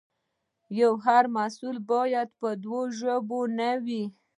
آیا هر محصول باید په دواړو ژبو نه وي؟